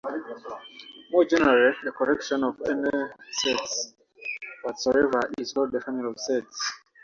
More generally, a collection of any sets whatsoever is called a family of sets.